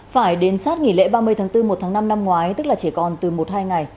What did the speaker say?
phải đến sát nghỉ lễ ba mươi tháng bốn một tháng năm năm ngoái tức là chỉ còn từ một hai ngày